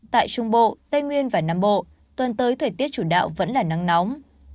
tại trung bộ tây nguyên và nam bộ tuần tới thời tiết chủ đạo vẫn là nắng nóng